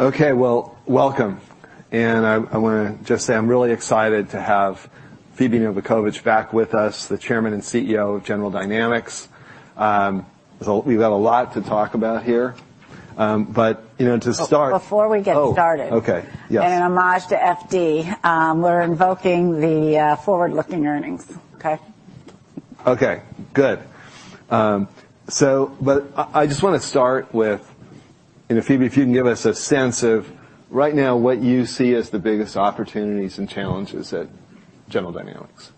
Okay, well, welcome. I want to just say I'm really excited to have Phebe Novakovic back with us, the Chairman and CEO of General Dynamics. We've got a lot to talk about here. You know, to start. Before we get started. Oh, okay. Yes. In an homage to FD, we're invoking the forward-looking earnings. Okay? Okay, good. I just want to start with, you know, Phebe, if you can give us a sense of right now, what you see as the biggest opportunities and challenges at General Dynamics.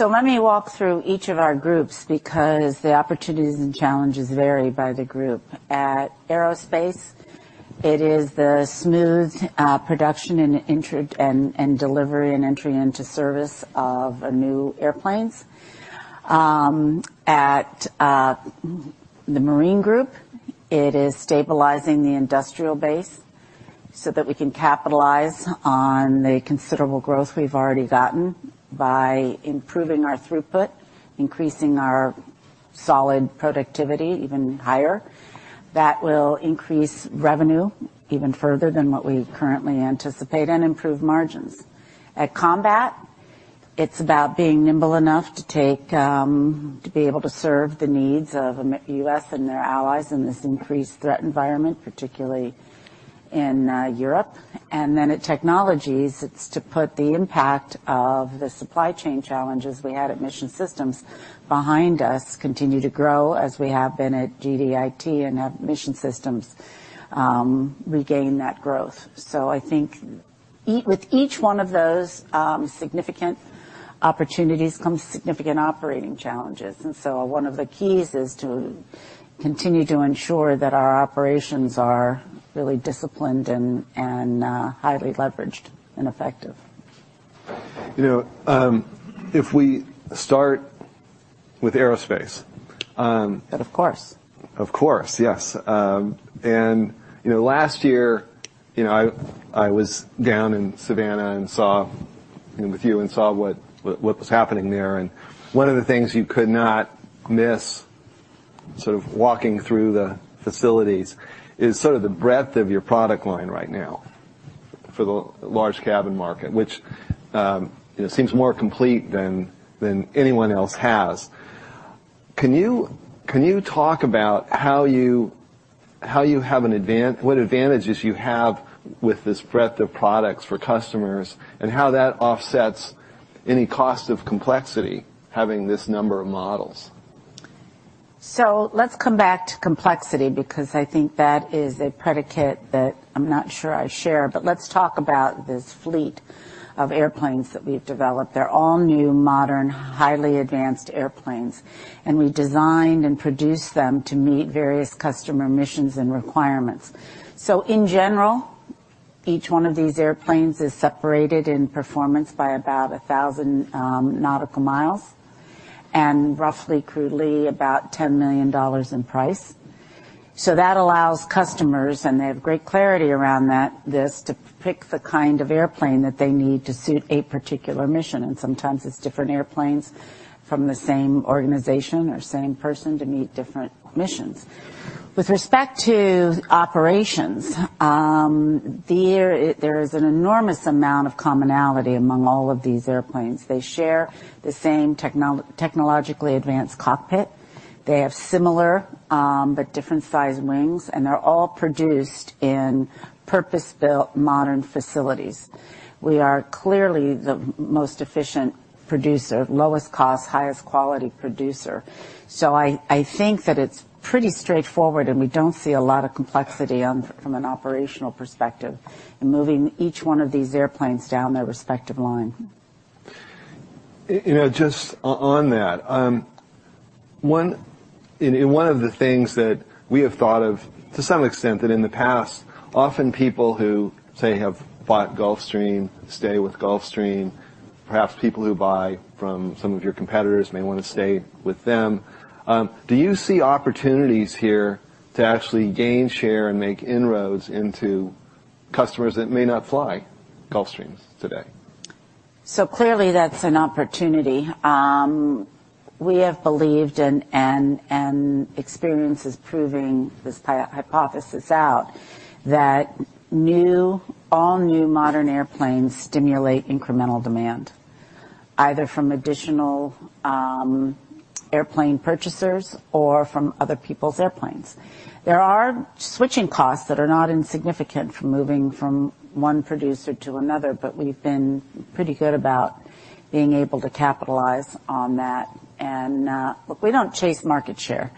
Let me walk through each of our groups, because the opportunities and challenges vary by the group. At Aerospace, it is the smooth production and delivery and entry into service of new airplanes. At the Marine group, it is stabilizing the industrial base so that we can capitalize on the considerable growth we've already gotten by improving our throughput, increasing our solid productivity even higher. That will increase revenue even further than what we currently anticipate, and improve margins. At Combat, it's about being nimble enough to be able to serve the needs of U.S. and their allies in this increased threat environment, particularly in Europe. At Technologies, it's to put the impact of the supply chain challenges we had at Mission Systems behind us, continue to grow, as we have been at GDIT, and have Mission Systems regain that growth. I think with each one of those significant opportunities, comes significant operating challenges, one of the keys is to continue to ensure that our operations are really disciplined and highly leveraged and effective. You know, if we start with Aerospace. Of course. Of course, yes. You know, last year, you know, I was down in Savannah and saw, you know, with you and saw what was happening there. One of the things you could not miss, sort of walking through the facilities, is sort of the breadth of your product line right now for the large cabin market, which, you know, seems more complete than anyone else has. Can you talk about how you have what advantages you have with this breadth of products for customers, and how that offsets any cost of complexity, having this number of models? Let's come back to complexity, because I think that is a predicate that I'm not sure I share. Let's talk about this fleet of airplanes that we've developed. They're all new, modern, highly advanced airplanes, and we designed and produced them to meet various customer missions and requirements. In general, each one of these airplanes is separated in performance by about 1,000 nautical miles, and roughly, crudely, about $10 million in price. That allows customers, and they have great clarity around that, this, to pick the kind of airplane that they need to suit a particular mission, and sometimes it's different airplanes from the same organization or same person to meet different missions. With respect to operations, there is an enormous amount of commonality among all of these airplanes. They share the same technologically advanced cockpit. They have similar, but different sized wings, and they're all produced in purpose-built, modern facilities. We are clearly the most efficient producer, lowest cost, highest quality producer. I think that it's pretty straightforward, and we don't see a lot of complexity from an operational perspective in moving each one of these airplanes down their respective line. You know, just on that, and one of the things that we have thought of, to some extent, that in the past, often people who, say, have bought Gulfstream, stay with Gulfstream. Perhaps people who buy from some of your competitors may want to stay with them. Do you see opportunities here to actually gain share and make inroads into customers that may not fly Gulfstreams today? Clearly, that's an opportunity. We have believed, and experience is proving this hypothesis out, that all new modern airplanes stimulate incremental demand, either from additional airplane purchasers or from other people's airplanes. There are switching costs that are not insignificant from moving from one producer to another. We've been pretty good about being able to capitalize on that. Look, we don't chase market share.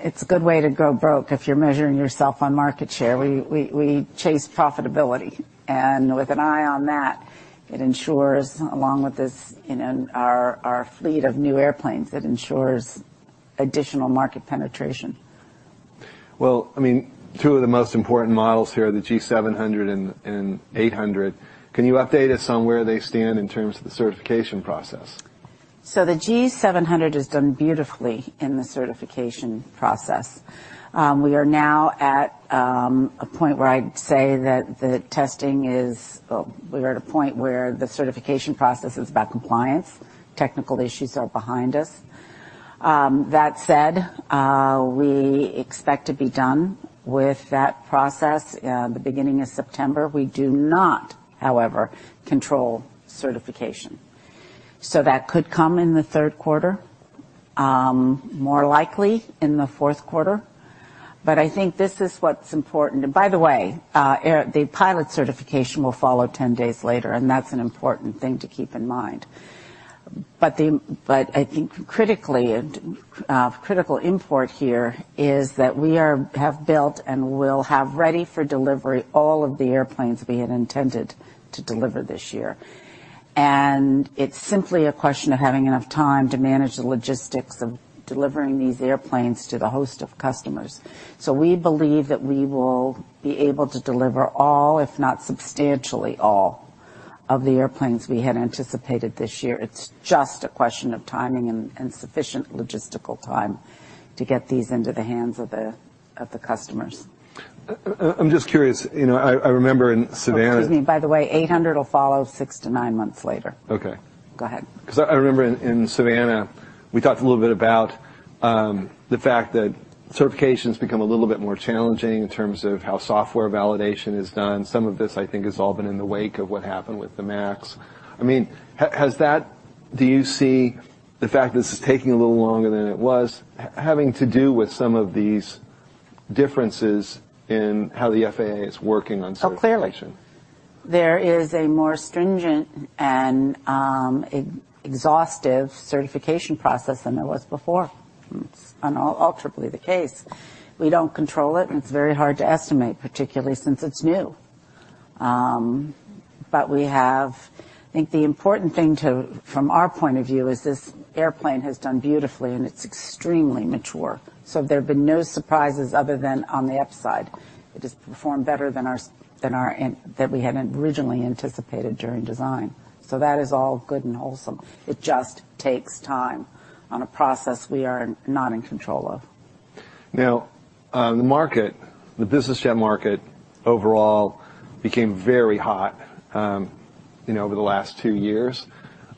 It's a good way to go broke if you're measuring yourself on market share. We chase profitability. With an eye on that, it ensures, along with this, you know, our fleet of new airplanes, it ensures additional market penetration. Well, I mean, two of the most important models here are the G700 and 800. Can you update us on where they stand in terms of the certification process? The G700 has done beautifully in the certification process. We are now at a point where the certification process is about compliance. Technical issues are behind us. That said, we expect to be done with that process the beginning of September. We do not, however, control certification, that could come in the third quarter, more likely in the fourth quarter. I think this is what's important. By the way, the pilot certification will follow 10 days later, and that's an important thing to keep in mind. I think critically, and critical import here is that we have built and will have ready for delivery all of the airplanes we had intended to deliver this year. It's simply a question of having enough time to manage the logistics of delivering these airplanes to the host of customers. We believe that we will be able to deliver all, if not substantially all, of the airplanes we had anticipated this year. It's just a question of timing and sufficient logistical time to get these into the hands of the customers. I'm just curious, you know, I remember in Savannah. Oh, excuse me. By the way, 800 will follow six to nine months later. Okay. Go ahead. Because I remember in Savannah, we talked a little bit about the fact that certification's become a little bit more challenging in terms of how software validation is done. Some of this, I think, has all been in the wake of what happened with the Max. I mean, do you see the fact that this is taking a little longer than it was, having to do with some of these differences in how the FAA is working on certification? Oh, clearly. There is a more stringent and exhaustive certification process than there was before. It's unalterably the case. We don't control it, and it's very hard to estimate, particularly since it's new. I think the important thing to, from our point of view, is this airplane has done beautifully, and it's extremely mature. There have been no surprises other than on the upside. It has performed better than our, than our, than we had originally anticipated during design. That is all good and wholesome. It just takes time on a process we are in, not in control of. The market, the business jet market overall became very hot, you know, over the last two years.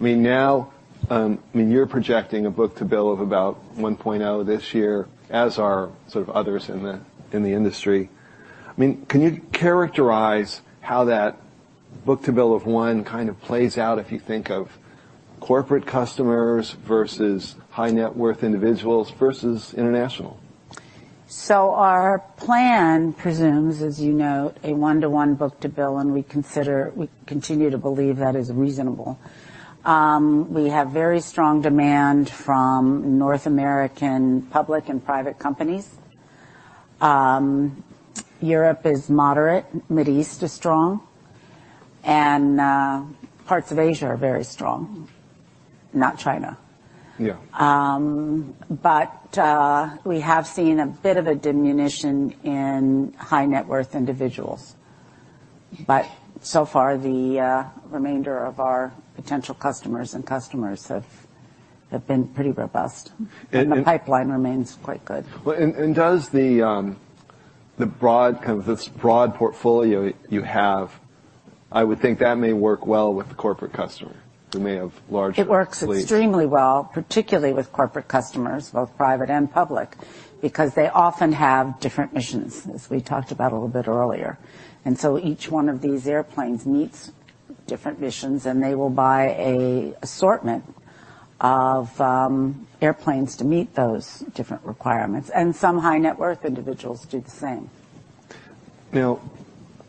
I mean, you're projecting a book-to-bill of about 1.0 this year, as are sort of others in the, in the industry. Can you characterize how that book-to-bill of 1 kind of plays out if you think of corporate customers versus high-net-worth individuals versus international? Our plan presumes, as you know, a 1:1 book to bill, and we continue to believe that is reasonable. We have very strong demand from North American public and private companies. Europe is moderate, Mideast is strong, and parts of Asia are very strong. Not China. Yeah. We have seen a bit of a diminution in high-net-worth individuals. So far, the remainder of our potential customers and customers have been pretty robust. And, and- The pipeline remains quite good. Does the um, the broad portfolio you have, I would think that may work well with the corporate customer, who may have large fleets. It works extremely well, particularly with corporate customers, both private and public, because they often have different missions, as we talked about a little bit earlier. Each one of these airplanes meets different missions, and they will buy a assortment of airplanes to meet those different requirements, and some high-net-worth individuals do the same. Now,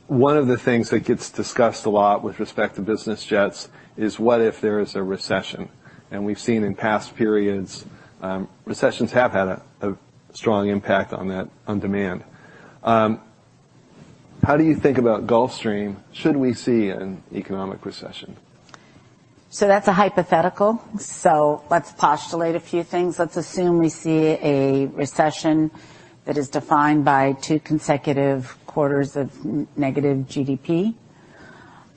one of the things that gets discussed a lot with respect to business jets is, what if there is a recession? We've seen in past periods, recessions have had a strong impact on that, on demand. How do you think about Gulfstream should we see an economic recession? That's a hypothetical, let's postulate a few things. Let's assume we see a recession that is defined by two consecutive quarters of negative GDP.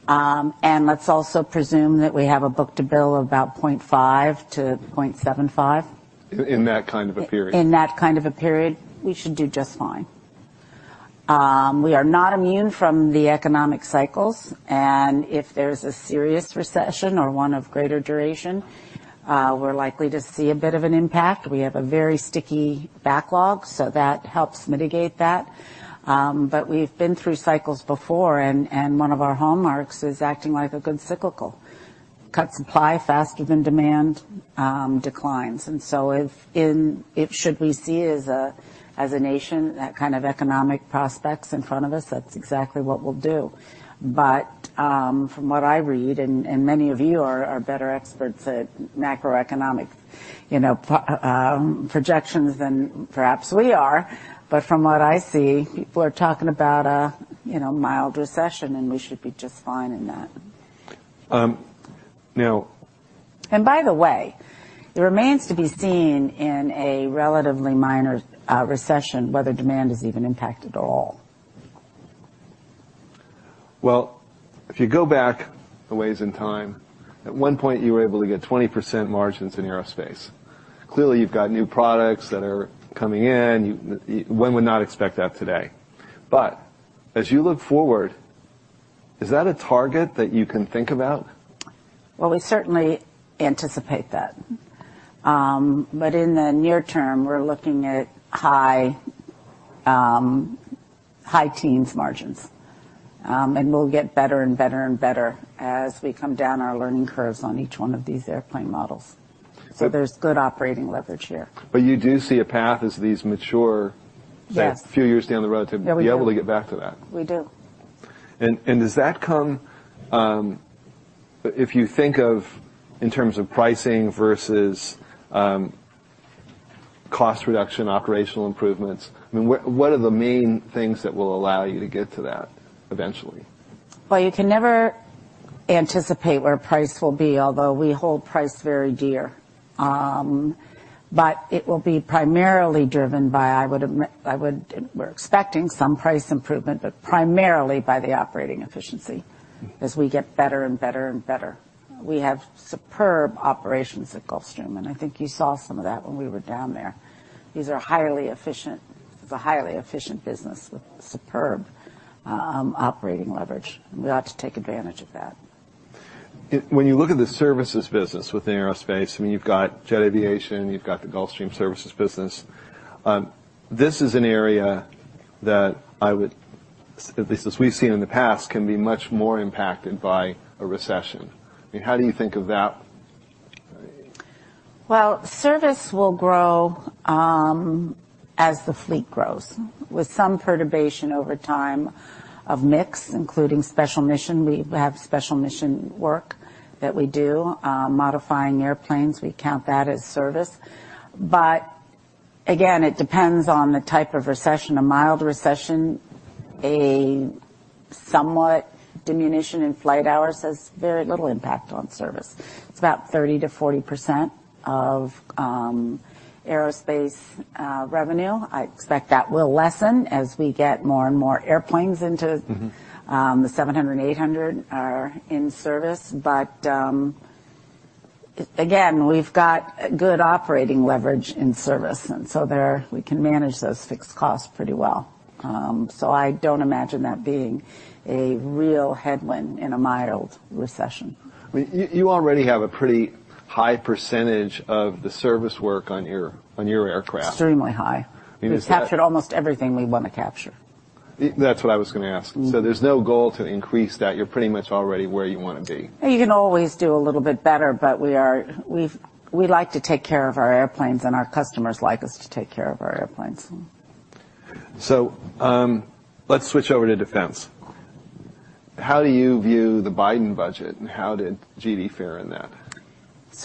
Let's also presume that we have a book to bill about 0.5-0.75. In that kind of a period? In that kind of a period, we should do just fine. We are not immune from the economic cycles, and if there's a serious recession or one of greater duration, we're likely to see a bit of an impact. We have a very sticky backlog, so that helps mitigate that. We've been through cycles before, and one of our hallmarks is acting like a good cyclical. Cut supply faster than demand declines. If should we see as a, as a nation, that kind of economic prospects in front of us, that's exactly what we'll do. From what I read, and many of you are better experts at macroeconomic, you know, projections than perhaps we are, but from what I see, people are talking about a, you know, mild recession, and we should be just fine in that. Um, now- By the way, it remains to be seen in a relatively minor recession, whether demand is even impacted at all. Well, if you go back a ways in time, at one point, you were able to get 20% margins in Aerospace. Clearly, you've got new products that are coming in. One would not expect that today. As you look forward. Is that a target that you can think about? We certainly anticipate that. In the near term, we're looking at high, high teens margins. We'll get better and better and better as we come down our learning curves on each one of these airplane models. There's good operating leverage here. You do see a path as these mature. Yes. a few years down the road, to be able to get back to that? We do. Does that come, if you think of in terms of pricing versus, cost reduction, operational improvements, I mean, what are the main things that will allow you to get to that eventually? You can never anticipate where price will be, although we hold price very dear. It will be primarily driven by, we're expecting some price improvement, but primarily by the operating efficiency, as we get better and better and better. We have superb operations at Gulfstream. I think you saw some of that when we were down there. It's a highly efficient business with superb operating leverage. We ought to take advantage of that. When you look at the services business within Aerospace, I mean, you've got Jet Aviation, you've got the Gulfstream services business. This is an area that I would, at least as we've seen in the past, can be much more impacted by a recession. I mean, how do you think of that? Service will grow as the fleet grows, with some perturbation over time of mix, including special mission. We have special mission work that we do, modifying airplanes, we count that as service. Again, it depends on the type of recession. A mild recession, a somewhat diminution in flight hours has very little impact on service. It's about 30%-40% of Aerospace revenue. I expect that will lessen as we get more and more airplanes into- Mm-hmm. The 700 and 800 are in service. Again, we've got good operating leverage in service, and so there, we can manage those fixed costs pretty well. I don't imagine that being a real headwind in a mild recession. You already have a pretty high percentage of the service work on your, on your aircraft. Extremely high. I mean, is that- We've captured almost everything we want to capture. That's what I was going to ask. Mm. There's no goal to increase that. You're pretty much already where you want to be. You can always do a little bit better, but we like to take care of our airplanes, and our customers like us to take care of our airplanes. Let's switch over to defense. How do you view the Biden budget, and how did GD fare in that?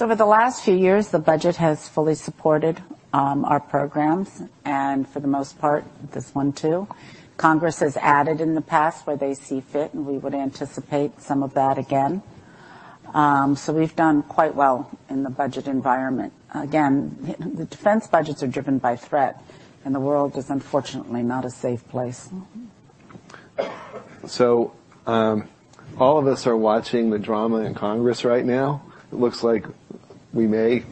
Over the last few years, the budget has fully supported our programs, and for the most part, this one, too. Congress has added in the past where they see fit, and we would anticipate some of that again. We've done quite well in the budget environment. Again, the defense budgets are driven by threat, and the world is, unfortunately, not a safe place. All of us are watching the drama in Congress right now. It looks like we may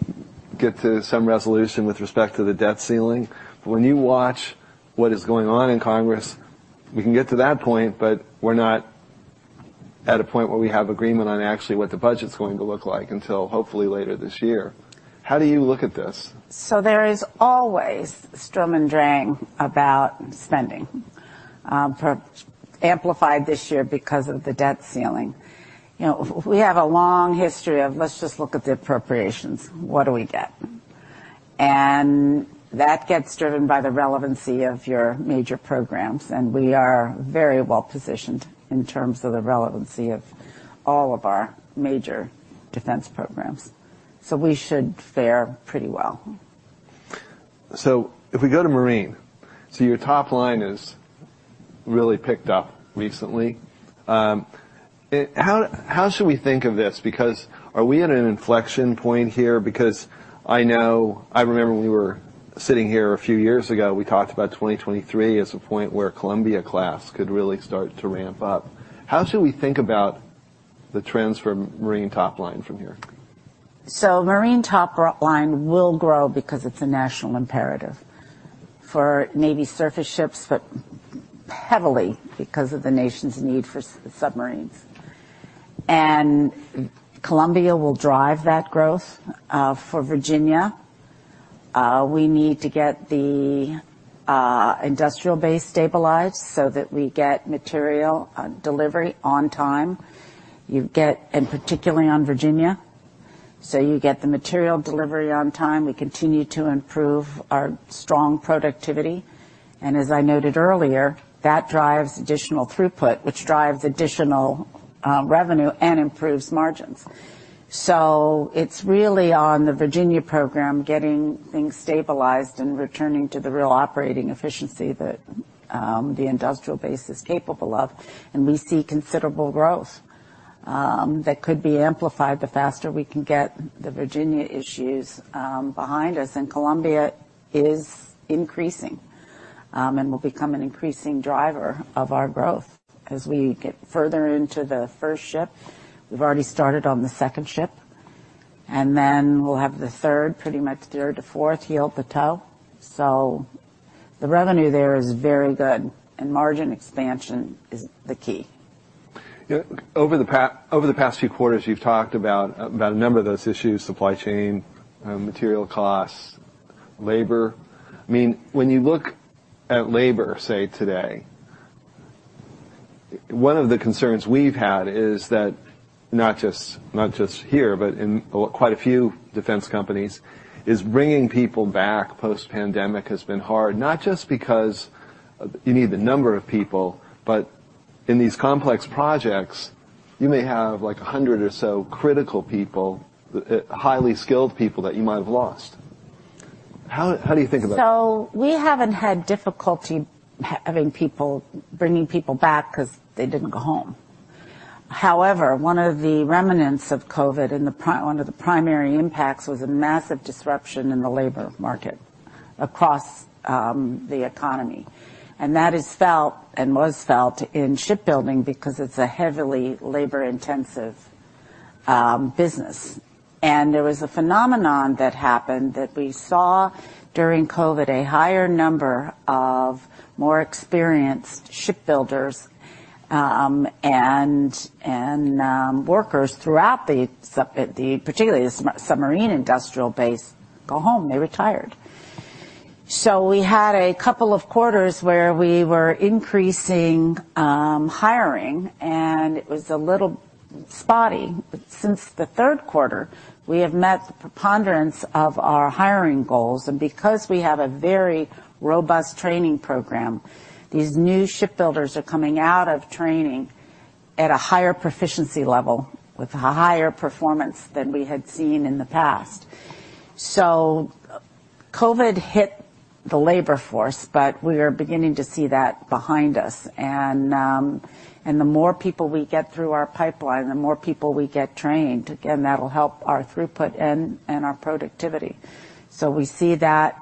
get to some resolution with respect to the debt ceiling. When you watch what is going on in Congress, we can get to that point, but we're not at a point where we have agreement on actually what the budget's going to look like until, hopefully, later this year. How do you look at this? There is always sturm und drang about spending, perhaps amplified this year because of the debt ceiling. You know, we have a long history of, let's just look at the appropriations, what do we get? That gets driven by the relevancy of your major programs, and we are very well positioned in terms of the relevancy of all of our major defense programs, so we should fare pretty well. If we go to Marine, your top line is really picked up recently. How, how should we think of this? Are we at an inflection point here? I remember when we were sitting here a few years ago, we talked about 2023 as a point where Columbia class could really start to ramp up. How should we think about the trends for Marine top line from here? Marine top line will grow because it's a national imperative for Navy surface ships, but heavily because of the nation's need for submarines. Columbia will drive that growth for Virginia. We need to get the industrial base stabilized so that we get material delivery on time. Particularly on Virginia, so you get the material delivery on time. We continue to improve our strong productivity, as I noted earlier, that drives additional throughput, which drives additional revenue and improves margins. It's really on the Virginia program, getting things stabilized and returning to the real operating efficiency that the industrial base is capable of, and we see considerable growth that could be amplified the faster we can get the Virginia issues behind us. Columbia is increasing and will become an increasing driver of our growth as we get further into the first ship. We've already started on the second ship. We'll have the third pretty much dear to fourth heel to toe. The revenue there is very good, and margin expansion is the key. Over the past few quarters, you've talked about a number of those issues, supply chain, material costs, labor. I mean, when you look at labor, say, today, one of the concerns we've had is that not just here, but in quite a few defense companies, is bringing people back post-pandemic has been hard. Not just because you need the number of people, but in these complex projects, you may have, like, 100 or so critical people, highly skilled people, that you might have lost. How do you think of that? We haven't had difficulty having people, bringing people back because they didn't go home. However, one of the remnants of COVID, and one of the primary impacts, was a massive disruption in the labor market across the economy. That is felt and was felt in shipbuilding because it's a heavily labor-intensive business. There was a phenomenon that happened, that we saw during COVID, a higher number of more experienced shipbuilders, and workers throughout the submarine industrial base, go home. They retired. We had a couple of quarters where we were increasing hiring, and it was a little spotty, but since the third quarter, we have met the preponderance of our hiring goals. Because we have a very robust training program, these new shipbuilders are coming out of training at a higher proficiency level, with a higher performance than we had seen in the past. COVID hit the labor force, but we are beginning to see that behind us. The more people we get through our pipeline, the more people we get trained, again, that'll help our throughput and our productivity. We see that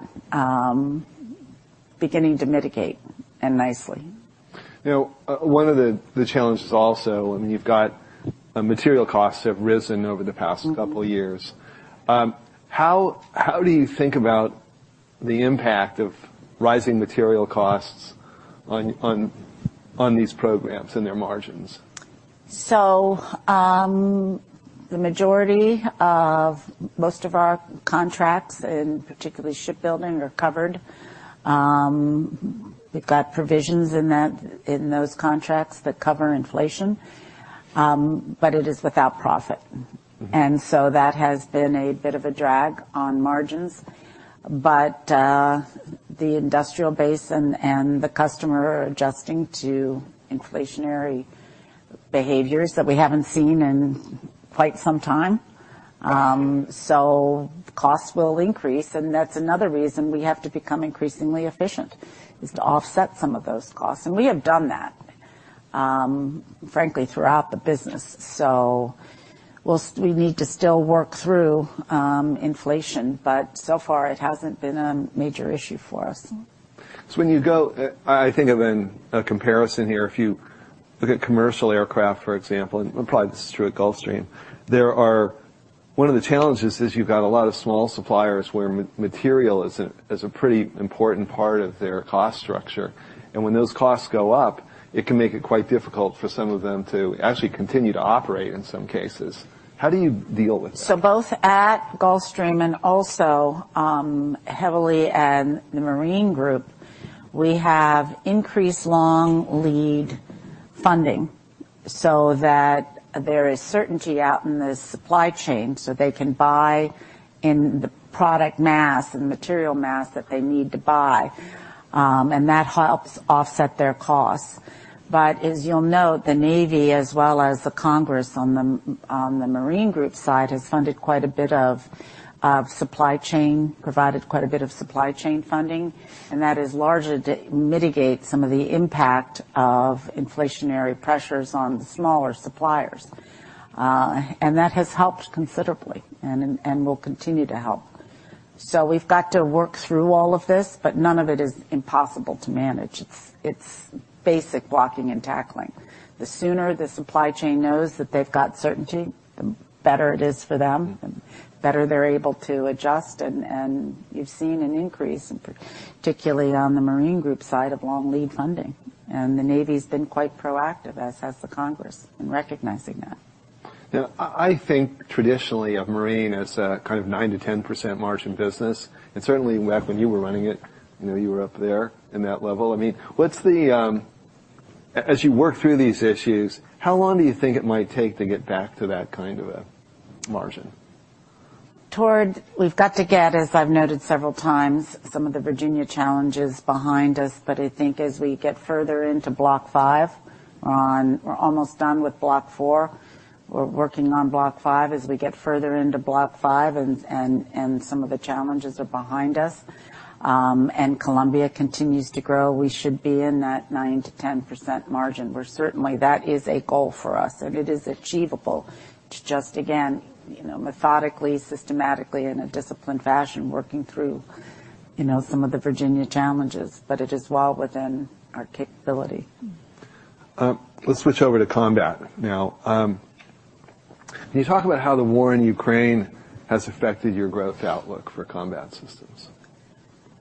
beginning to mitigate, and nicely. Now, one of the challenges also, I mean, you've got material costs have risen over the past. Mm-hmm... couple years. How do you think about the impact of rising material costs on these programs and their margins? The majority of most of our contracts, particularly shipbuilding, are covered. We've got provisions in that, in those contracts that cover inflation, but it is without profit. Mm-hmm. That has been a bit of a drag on margins, but the industrial base and the customer are adjusting to inflationary behaviors that we haven't seen in quite some time. Costs will increase, and that's another reason we have to become increasingly efficient, is to offset some of those costs, and we have done that, frankly, throughout the business. We need to still work through inflation, but so far it hasn't been a major issue for us. When you go, I think of in a comparison here, if you look at commercial aircraft, for example, and probably this is true at Gulfstream, One of the challenges is you've got a lot of small suppliers, where material is a pretty important part of their cost structure, and when those costs go up, it can make it quite difficult for some of them to actually continue to operate in some cases. How do you deal with that? Both at Gulfstream and also heavily on Marine group, we have increased long lead funding so that there is certainty out in the supply chain, so they can buy in the product mass and material mass that they need to buy, and that helps offset their costs. As you'll note, the Navy, as well as the Congress on the Marine group side, has funded quite a bit of supply chain, provided quite a bit of supply chain funding, and that is largely to mitigate some of the impact of inflationary pressures on the smaller suppliers. And that has helped considerably and will continue to help. We've got to work through all of this, but none of it is impossible to manage. It's basic blocking and tackling. The sooner the supply chain knows that they've got certainty, the better it is for them. Mm-hmm... the better they're able to adjust. You've seen an increase, in particularly, on the Marine group side of long lead funding, and the Navy's been quite proactive, as has the Congress, in recognizing that. I think traditionally of Marine as a kind of 9%-10% margin business. Certainly back when you were running it, you know, you were up there in that level. I mean, as you work through these issues, how long do you think it might take to get back to that kind of a margin? We've got to get, as I've noted several times, some of the Virginia challenges behind us. I think as we get further into Block V. We're almost done with Block IV. We're working on Block V. As we get further into Block V and some of the challenges are behind us, and Columbia continues to grow, we should be in that 9%-10% margin, where certainly that is a goal for us, and it is achievable. It's just, again, you know, methodically, systematically, in a disciplined fashion, working through, you know, some of the Virginia challenges, but it is well within our capability.... Let's switch over to Combat. Now, can you talk about how the war in Ukraine has affected your growth outlook for Combat Systems?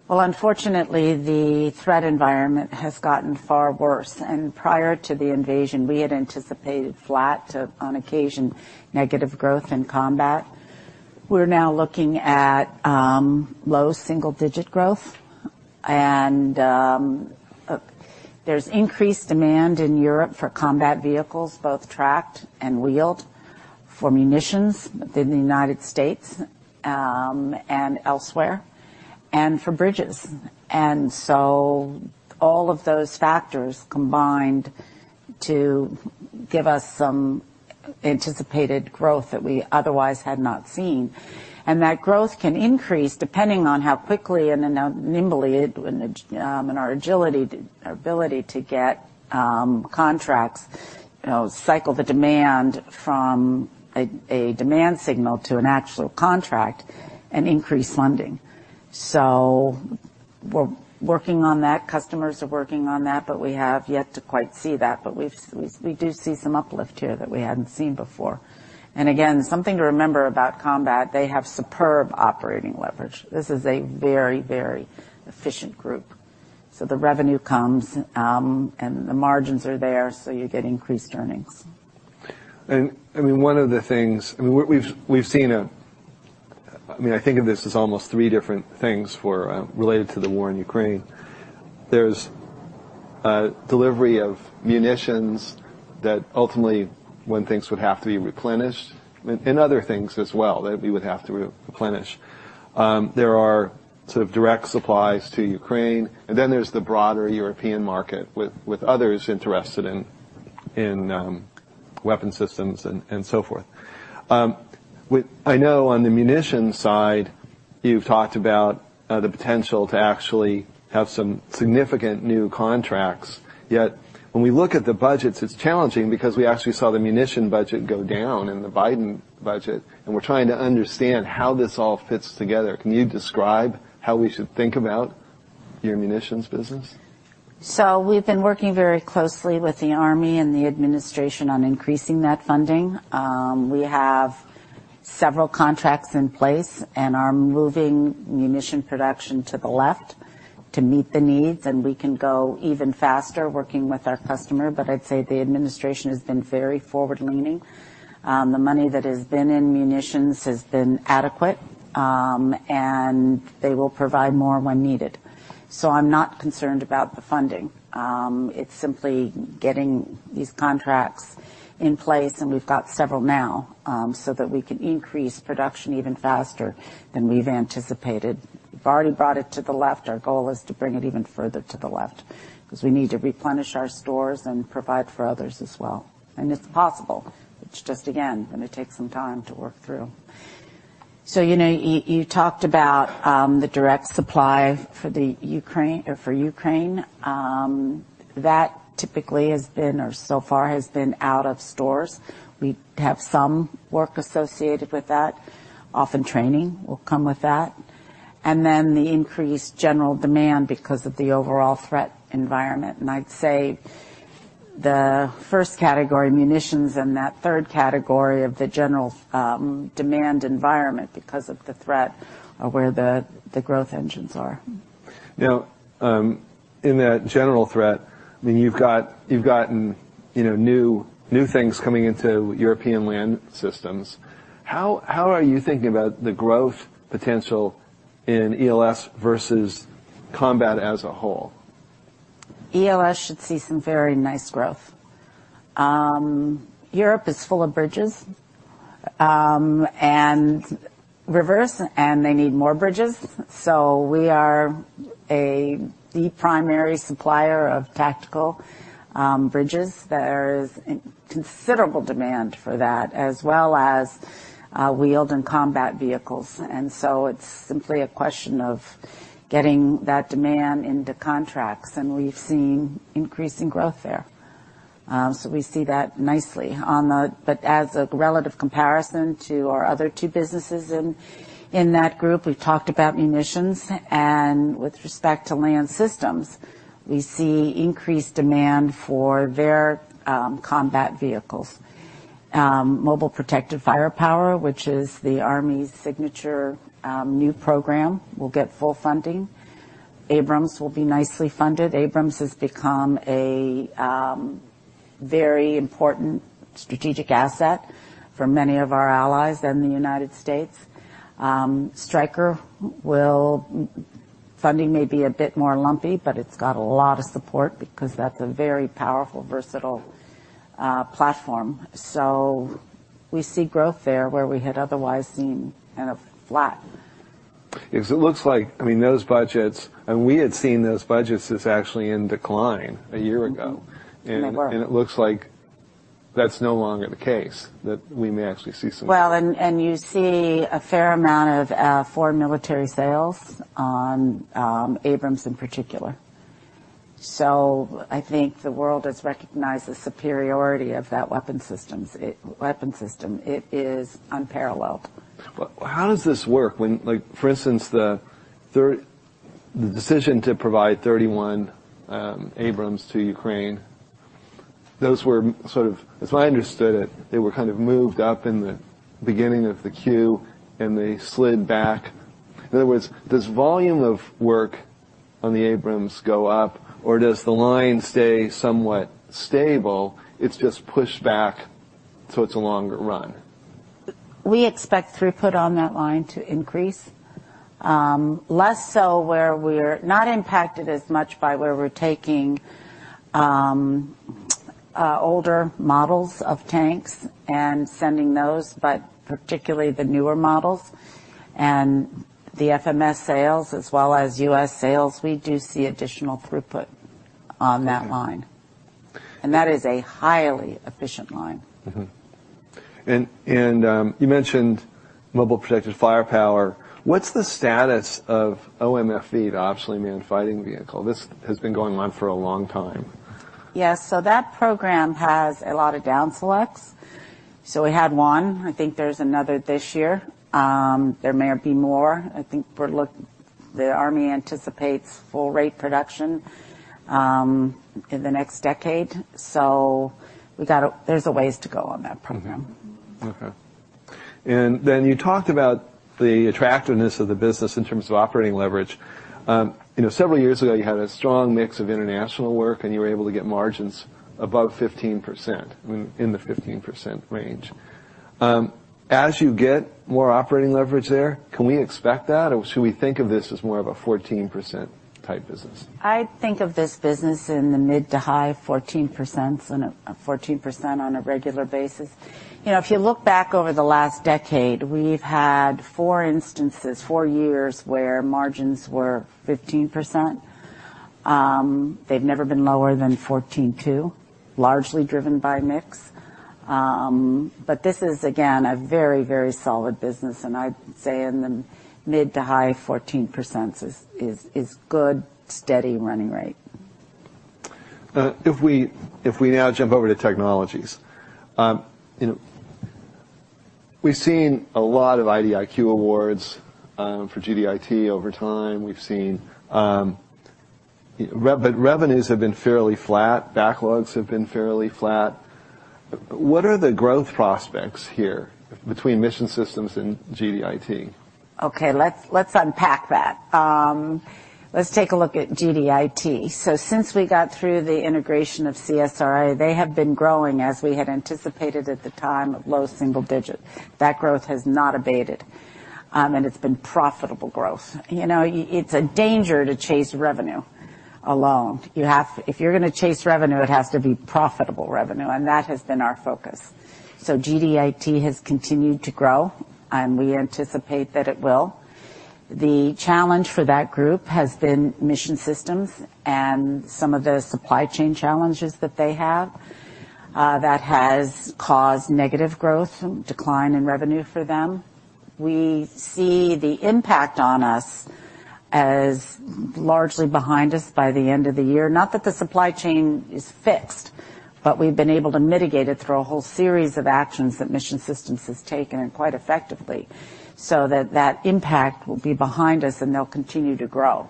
Well, unfortunately, the threat environment has gotten far worse, and prior to the invasion, we had anticipated flat to, on occasion, negative growth in Combat. We're now looking at low single-digit growth. There's increased demand in Europe for combat vehicles, both tracked and wheeled, for munitions within the United States, and elsewhere, and for bridges. All of those factors combined to give us some anticipated growth that we otherwise had not seen, and that growth can increase, depending on how quickly and nimbly, and our agility, our ability to get contracts, you know, cycle the demand from a demand signal to an actual contract and increase funding. We're working on that. Customers are working on that, but we have yet to quite see that, but we do see some uplift here that we hadn't seen before. Again, something to remember about Combat, they have superb operating leverage. This is a very, very efficient group, so the revenue comes, and the margins are there, so you get increased earnings. I mean, we've seen I mean, I think of this as almost three different things for, related to the war in Ukraine. There's a delivery of munitions that ultimately, when things would have to be replenished, and other things as well, that we would have to re-replenish. There are sort of direct supplies to Ukraine, and then there's the broader European market with others interested in weapon systems and so forth. I know on the munition side, you've talked about, the potential to actually have some significant new contracts. Yet, when we look at the budgets, it's challenging because we actually saw the munition budget go down in the Biden budget, and we're trying to understand how this all fits together. Can you describe how we should think about your munitions business? We've been working very closely with the Army and the Administration on increasing that funding. We have several contracts in place and are moving munitions production to the left to meet the needs. We can go even faster working with our customer. I'd say the Administration has been very forward-leaning. The money that has been in munitions has been adequate. They will provide more when needed. I'm not concerned about the funding. It's simply getting these contracts in place. We've got several now so that we can increase production even faster than we've anticipated. We've already brought it to the left. Our goal is to bring it even further to the left, 'cause we need to replenish our stores and provide for others as well. It's possible. It's just, again, going to take some time to work through. You know, you talked about the direct supply for the Ukraine or for Ukraine. That typically has been or so far has been out of stores. We have some work associated with that. Often, training will come with that. The increased general demand because of the overall threat environment, and I'd say the first category, munitions, and that third category of the general demand environment, because of the threat, are where the growth engines are. In that general threat, I mean, you've gotten, you know, new things coming into European Land Systems. How are you thinking about the growth potential in ELS versus Combat as a whole? ELS should see some very nice growth. Europe is full of bridges, and rivers, and they need more bridges. We are the primary supplier of tactical bridges. There is considerable demand for that, as well as wheeled and combat vehicles, and so it's simply a question of getting that demand into contracts, and we've seen increasing growth there. We see that nicely but as a relative comparison to our other two businesses in that group, we've talked about munitions, and with respect to Land Systems, we see increased demand for their combat vehicles. Mobile Protected Firepower, which is the Army's signature new program, will get full funding. Abrams will be nicely funded. Abrams has become a very important strategic asset for many of our allies and the United States. Stryker will, funding may be a bit more lumpy, but it's got a lot of support because that's a very powerful, versatile, platform. We see growth there, where we had otherwise seen kind of flat. It looks like, I mean, those budgets, and we had seen those budgets as actually in decline a year ago. Mm-hmm. They were. It looks like that's no longer the case, that we may actually see. You see a fair amount of foreign military sales on Abrams in particular. I think the world has recognized the superiority of that weapon system. It is unparalleled. Well, how does this work when, like, for instance, The decision to provide 31 Abrams to Ukraine, those were sort of, as I understood it, they were kind of moved up in the beginning of the queue, and they slid back. In other words, does volume of work on the Abrams go up, or does the line stay somewhat stable, it's just pushed back, so it's a longer run? We expect throughput on that line to increase. Less so where we're not impacted as much by where we're taking older models of tanks and sending those, but particularly the newer models and the FMS sales as well as U.S. sales, we do see additional throughput on that line. Mm-hmm. That is a highly efficient line. You mentioned Mobile Protected Firepower. What's the status of OMFV, the Optionally Manned Fighting Vehicle? This has been going on for a long time. Yes. That program has a lot of down selects. We had one. I think there's another this year. There may be more. I think the Army anticipates full rate production in the next decade. There's a ways to go on that program. Okay. You talked about the attractiveness of the business in terms of operating leverage. You know, several years ago, you had a strong mix of international work, and you were able to get margins above 15%, I mean, in the 15% range. As you get more operating leverage there, can we expect that, or should we think of this as more of a 14% type business? I think of this business in the mid to high 14%, and a 14% on a regular basis. You know, if you look back over the last decade, we've had four instances, four years, where margins were 15%. They've never been lower than 14.2%, largely driven by mix. This is, again, a very, very solid business, and I'd say in the mid to high 14% is good, steady running rate. If we, if we now jump over to Technologies. you know, we've seen a lot of IDIQ awards, for GDIT over time. We've seen, but revenues have been fairly flat, backlogs have been fairly flat. What are the growth prospects here between Mission Systems and GDIT? Okay, let's unpack that. Let's take a look at GDIT. Since we got through the integration of CSRA, they have been growing, as we had anticipated at the time, of low single digits. That growth has not abated, and it's been profitable growth. You know, it's a danger to chase revenue alone. If you're gonna chase revenue, it has to be profitable revenue, and that has been our focus. GDIT has continued to grow, and we anticipate that it will. The challenge for that group has been Mission Systems and some of the supply chain challenges that they have, that has caused negative growth, decline in revenue for them. We see the impact on us as largely behind us by the end of the year. Not that the supply chain is fixed, but we've been able to mitigate it through a whole series of actions that Mission Systems has taken, and quite effectively, so that that impact will be behind us, and they'll continue to grow.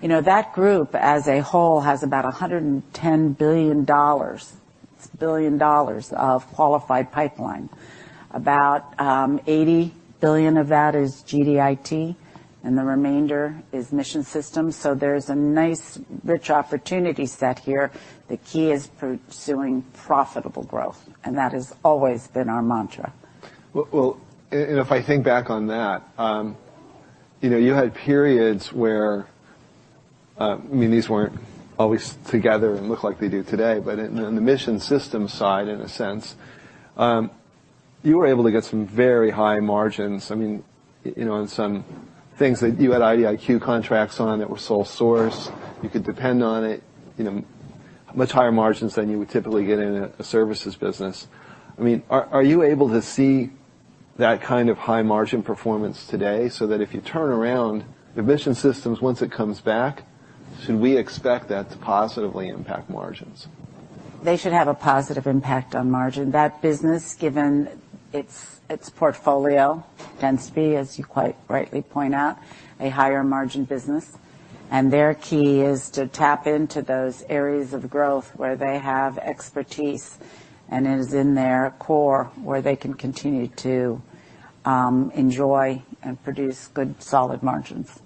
You know, that group, as a whole, has about $110 billion of qualified pipeline. About $80 billion of that is GDIT, and the remainder is Mission Systems. There's a nice, rich opportunity set here. The key is pursuing profitable growth. That has always been our mantra. Well, if I think back on that, you know, you had periods where, I mean, these weren't always together and look like they do today, but in the Mission Systems side, in a sense, you were able to get some very high margins. I mean, you know, on some things that you had IDIQ contracts on that were sole source, you could depend on it, you know, much higher margins than you would typically get in a services business. I mean, are you able to see that kind of high margin performance today, so that if you turn around the Mission Systems once it comes back, should we expect that to positively impact margins? They should have a positive impact on margin. That business, given its portfolio, tends to be, as you quite rightly point out, a higher margin business. Their key is to tap into those areas of growth where they have expertise and is in their core, where they can continue to enjoy and produce good, solid margins.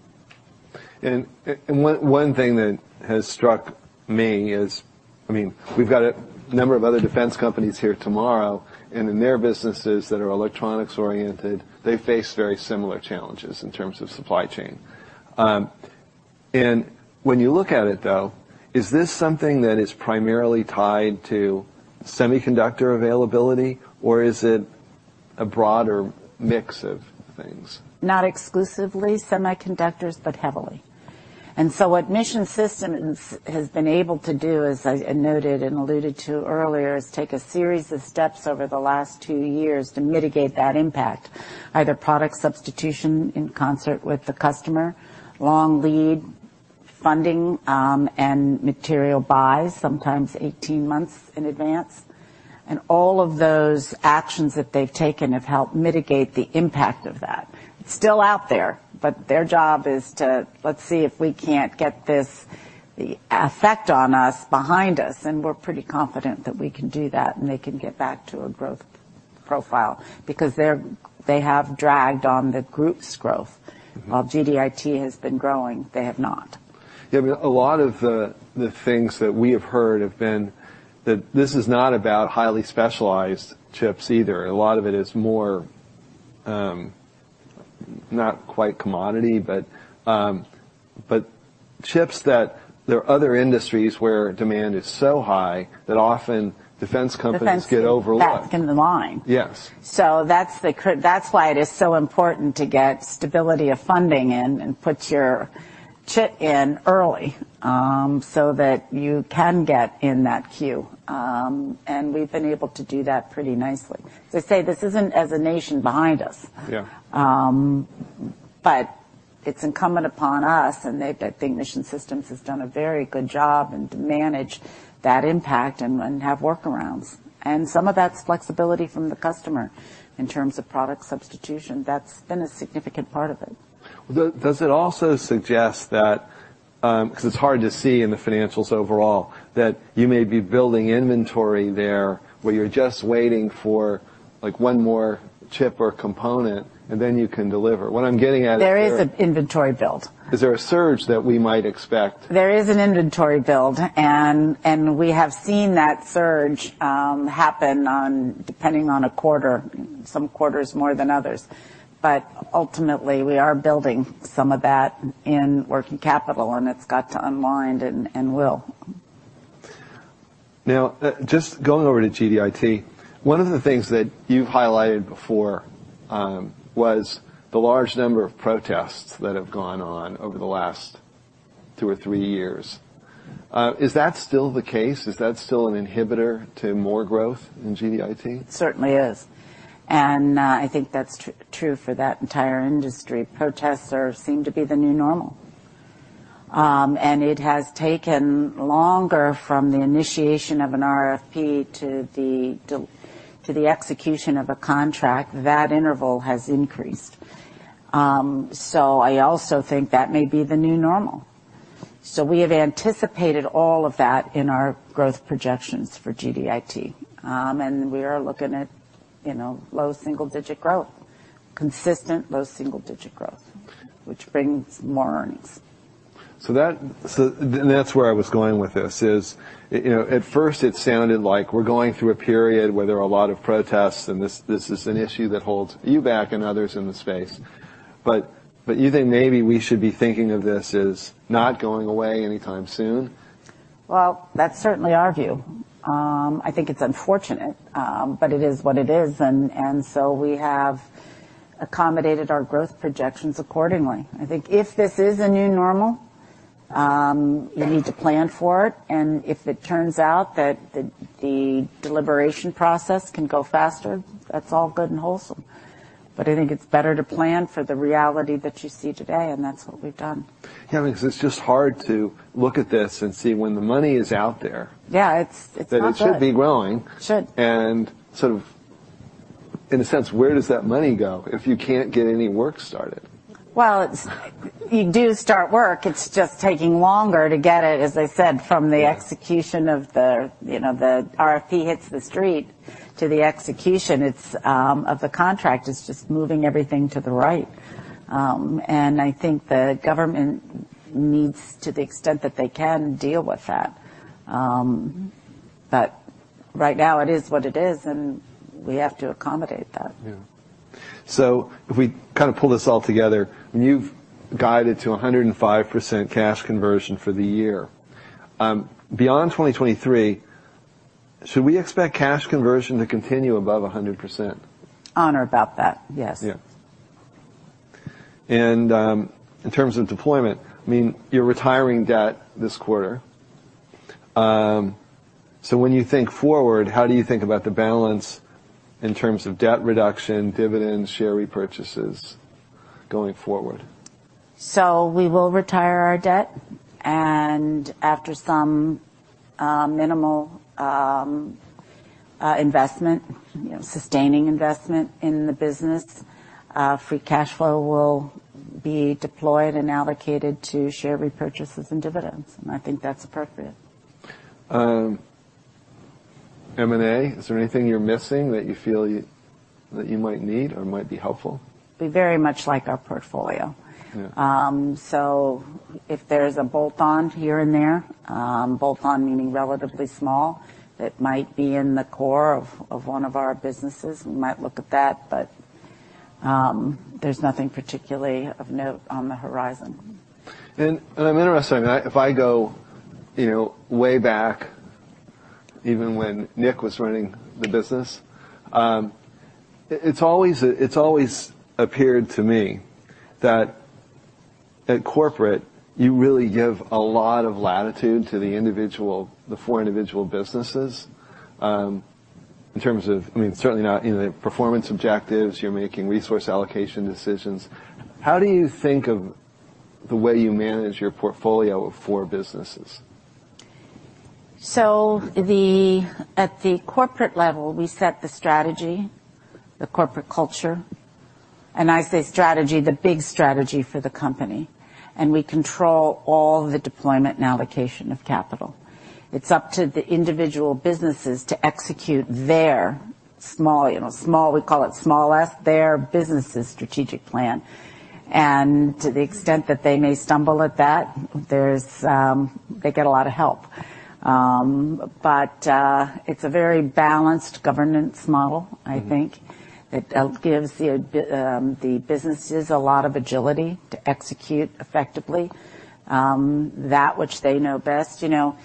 One thing that has struck me is, I mean, we've got a number of other defense companies here tomorrow, and in their businesses that are electronics-oriented, they face very similar challenges in terms of supply chain. When you look at it, though, is this something that is primarily tied to semiconductor availability, or is it a broader mix of things? Not exclusively semiconductors, but heavily. What Mission Systems has been able to do, as I noted and alluded to earlier, is take a series of steps over the last two years to mitigate that impact, either product substitution in concert with the customer, long lead funding, and material buys, sometimes 18 months in advance. All of those actions that they've taken have helped mitigate the impact of that. It's still out there, but their job is to, let's see if we can't get this, the effect on us, behind us, and we're pretty confident that we can do that, and they can get back to a growth profile. Because they have dragged on the group's growth. Mm-hmm. While GDIT has been growing, they have not. Yeah, but a lot of the things that we have heard have been that this is not about highly specialized chips either. A lot of it is more, not quite commodity, but chips that there are other industries where demand is so high that often defense companies... Defense -get overlooked. Back in the line. Yes. That's why it is so important to get stability of funding in and put your chit in early, so that you can get in that queue. We've been able to do that pretty nicely. As I say, this isn't, as a nation, behind us. Yeah. It's incumbent upon us, and I think Mission Systems has done a very good job and to manage that impact and have workarounds. Some of that's flexibility from the customer in terms of product substitution. That's been a significant part of it. Well, does it also suggest that, because it's hard to see in the financials overall, that you may be building inventory there, where you're just waiting for, like, one more chip or component, and then you can deliver? What I'm getting at is. There is an inventory build. Is there a surge that we might expect? There is an inventory build, and we have seen that surge, happen on, depending on a quarter, some quarters more than others. Ultimately, we are building some of that in working capital, and it's got to unwind and will. Just going over to GDIT, one of the things that you've highlighted before, was the large number of protests that have gone on over the last two or three years. Is that still the case? Is that still an inhibitor to more growth in GDIT? It certainly is. I think that's true for that entire industry. Protests are, seem to be the new normal. It has taken longer from the initiation of an RFP to the execution of a contract. That interval has increased. I also think that may be the new normal. We have anticipated all of that in our growth projections for GDIT. We are looking at, you know, low single-digit growth, consistent low single-digit growth, which brings more earnings. That's where I was going with this is, you know, at first it sounded like we're going through a period where there are a lot of protests, and this is an issue that holds you back and others in the space, but you think maybe we should be thinking of this as not going away anytime soon? Well, that's certainly our view. I think it's unfortunate, but it is what it is. So we have accommodated our growth projections accordingly. I think if this is a new normal, you need to plan for it, and if it turns out that the deliberation process can go faster, that's all good and wholesome. I think it's better to plan for the reality that you see today, and that's what we've done. Because it's just hard to look at this and see when the money is out there. Yeah, it's not good. That it should be growing. Should. Sort of, in a sense, where does that money go if you can't get any work started? Well, you do start work. It's just taking longer to get it, as I said. Yeah... the execution of the, you know, the RFP hits the street to the execution, it's of the contract, it's just moving everything to the right. I think the government needs, to the extent that they can, deal with that. Right now, it is what it is, and we have to accommodate that. Yeah. If we kind of pull this all together, you've guided to 105% cash conversion for the year. Beyond 2023, should we expect cash conversion to continue above 100%? On or about that, yes. Yeah. In terms of deployment, I mean, you're retiring debt this quarter. When you think forward, how do you think about the balance in terms of debt reduction, dividends, share repurchases going forward? We will retire our debt, and after some minimal investment, you know, sustaining investment in the business, free cash flow will be deployed and allocated to share repurchases and dividends, and I think that's appropriate. M&A, is there anything you're missing that you feel you, that you might need or might be helpful? We very much like our portfolio. Yeah. If there's a bolt-on here and there, bolt-on meaning relatively small, that might be in the core of one of our businesses, we might look at that, but there's nothing particularly of note on the horizon. I'm interested, if I go, you know, way back, even when Nick was running the business, it's always appeared to me that at corporate, you really give a lot of latitude to the four individual businesses, in terms of, I mean, certainly not, you know, performance objectives. You're making resource allocation decisions. How do you think of the way you manage your portfolio of four businesses? At the corporate level, we set the strategy, the corporate culture, and I say strategy, the big strategy for the company, and we control all the deployment and allocation of capital. It's up to the individual businesses to execute their small, you know, small, we call it small f, their business' strategic plan. To the extent that they may stumble at that, there's, they get a lot of help. It's a very balanced governance model, I think. Mm-hmm. It gives the businesses a lot of agility to execute effectively, that which they know best. You know,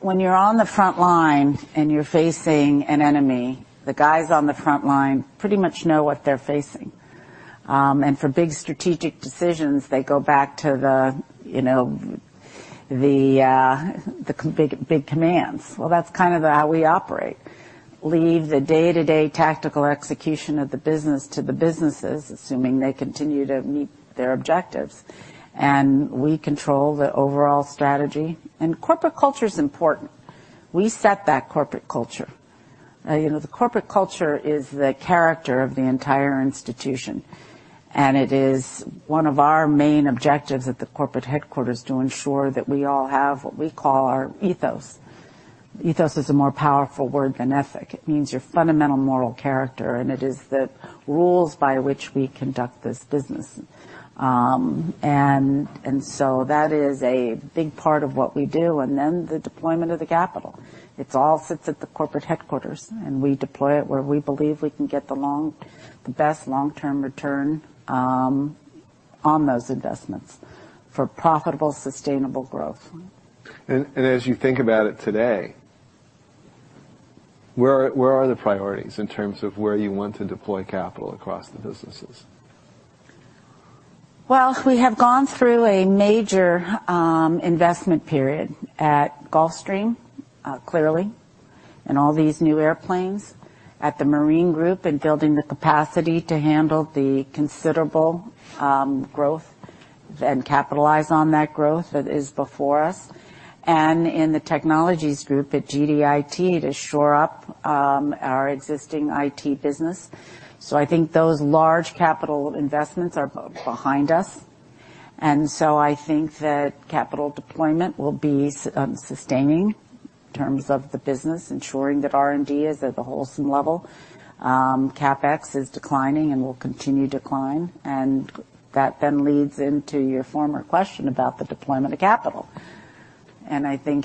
when you're on the front line and you're facing an enemy, the guys on the front line pretty much know what they're facing. For big strategic decisions, they go back to the, you know, the big, big commands. Well, that's kind of how we operate. Leave the day-to-day tactical execution of the business to the businesses, assuming they continue to meet their objectives, and we control the overall strategy. Corporate culture is important. We set that corporate culture. You know, the corporate culture is the character of the entire institution, and it is one of our main objectives at the corporate headquarters to ensure that we all have what we call our ethos. Ethos is a more powerful word than ethic. It means your fundamental moral character, and it is the rules by which we conduct this business. That is a big part of what we do, and then the deployment of the capital. It all sits at the corporate headquarters, and we deploy it where we believe we can get the best long-term return on those investments for profitable, sustainable growth. As you think about it today, where are the priorities in terms of where you want to deploy capital across the businesses? We have gone through a major investment period at Gulfstream, clearly, and all these new airplanes, at the Marine group, and building the capacity to handle the considerable growth and capitalize on that growth that is before us, and in the Technologies group at GDIT to shore up our existing IT business. I think those large capital investments are behind us, I think that capital deployment will be sustaining in terms of the business, ensuring that R&D is at a wholesome level. CapEx is declining and will continue to decline, that leads into your former question about the deployment of capital. I think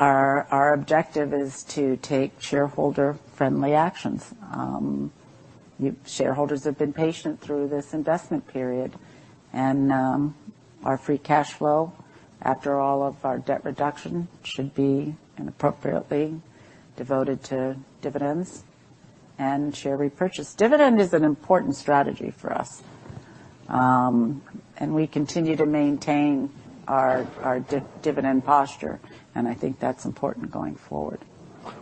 our objective is to take shareholder-friendly actions. Shareholders have been patient through this investment period, and our free cash flow, after all of our debt reduction, should be inappropriately devoted to dividends and share repurchase. Dividend is an important strategy for us. We continue to maintain our dividend posture, and I think that's important going forward.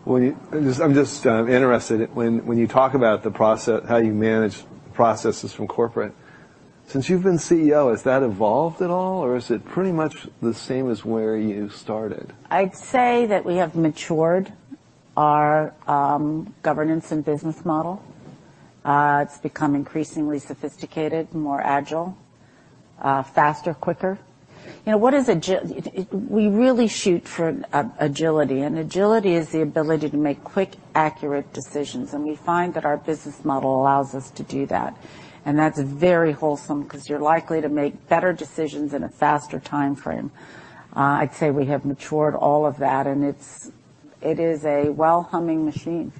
Well, I'm just interested, when you talk about the process, how you manage processes from corporate, since you've been CEO, has that evolved at all, or is it pretty much the same as where you started? I'd say that we have matured our governance and business model. It's become increasingly sophisticated, more agile, faster, quicker. You know, we really shoot for agility, and agility is the ability to make quick, accurate decisions, and we find that our business model allows us to do that. That's very wholesome because you're likely to make better decisions in a faster timeframe. I'd say we have matured all of that, and it is a well-humming machine.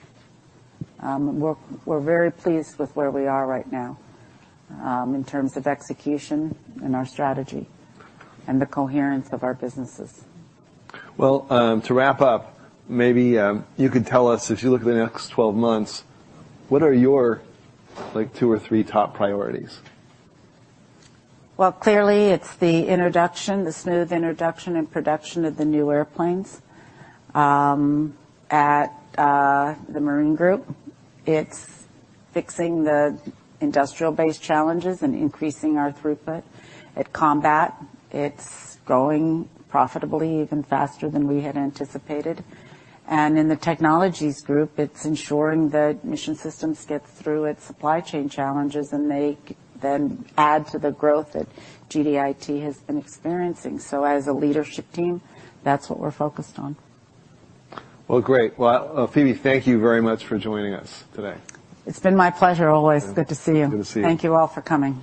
We're very pleased with where we are right now, in terms of execution and our strategy and the coherence of our businesses. Well, to wrap up, maybe, you could tell us, if you look at the next 12 months, what are your, like, two or three top priorities? Well, clearly, it's the introduction, the smooth introduction and production of the new airplanes. At the Marine group, it's fixing the industrial-based challenges and increasing our throughput. At Combat, it's growing profitably, even faster than we had anticipated. In the Technologies group, it's ensuring that Mission Systems get through its supply chain challenges, and they then add to the growth that GDIT has been experiencing. As a leadership team, that's what we're focused on. Well, great. Well, Phebe, thank you very much for joining us today. It's been my pleasure always. Good to see you. Good to see you. Thank you all for coming.